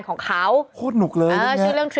เป็นการกระตุ้นการไหลเวียนของเลือด